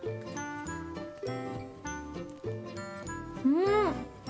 うん！